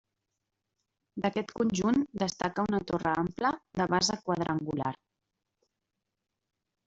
D'aquest conjunt destaca una torre ampla de base quadrangular.